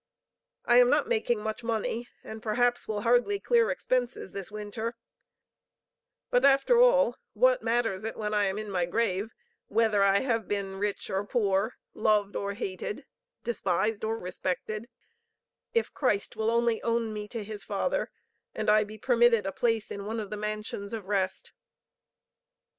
I am not making much money, and perhaps will hardly clear expenses this winter; but after all what matters it when I am in my grave whether I have been rich or poor, loved or hated, despised or respected, if Christ will only own me to His Father, and I be permitted a place in one of the mansions of rest."